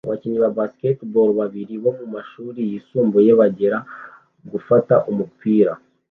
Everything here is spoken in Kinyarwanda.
Abakinnyi ba basketball babiri bo mumashuri yisumbuye bagera gufata umupira